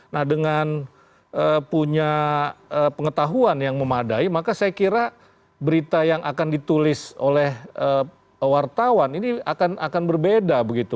nah dengan punya pengetahuan yang memadai maka saya kira berita yang akan ditulis oleh wartawan ini akan berbeda begitu